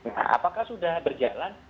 nah apakah sudah berjalan